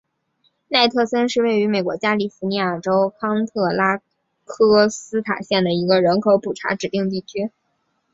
奈特森是位于美国加利福尼亚州康特拉科斯塔县的一个人口普查指定地区。